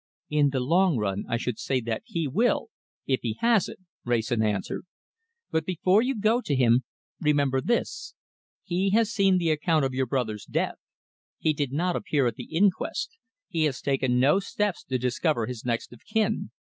"In the long run I should say that he will if he has it," Wrayson answered. "But before you go to him, remember this. He has seen the account of your brother's death. He did not appear at the inquest. He has taken no steps to discover his next of kin.